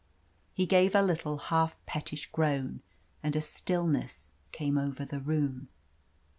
He gave a little half pettish groan, and a stillness came over the room.